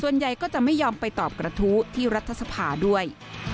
ส่วนใหญ่ก็จะไม่ยอมไปตอบกระทู้ที่รัฐสภาด้วย